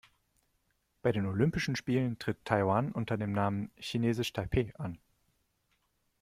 Bei den Olympischen Spielen tritt Taiwan unter dem Namen „Chinesisch Taipeh“ an.